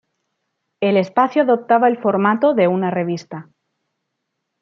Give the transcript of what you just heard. El espacio adoptaba el formato de una revista.